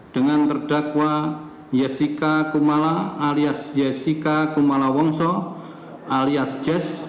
dengan terdakwa jessica kumala alias jessica kumala wongso alias jess